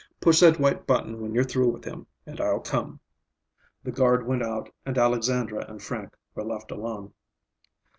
"Push that white button when you're through with him, and I'll come." The guard went out and Alexandra and Frank were left alone.